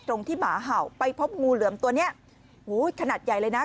ตรงที่หมาเห่าไปพบงูเหลือมตัวเนี้ยอุ้ยขนาดใหญ่เลยนะ